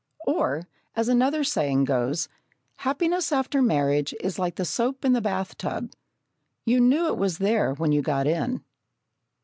Or, as another saying goes: "Happiness after marriage is like the soap in the bath tub; you knew it was there when you got in."